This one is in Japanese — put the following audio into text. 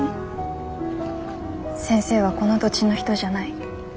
先生はこの土地の人じゃない。